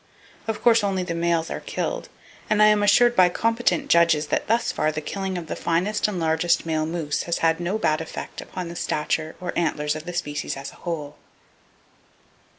Of course, only males are killed, and I am assured by competent judges that thus far the killing of the finest and largest male moose has had no bad effect upon the stature or antlers of the species as a whole.